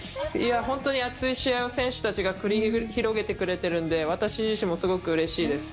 本当に熱い試合を選手たちが繰り広げてくれているので私自身もすごくうれしいです。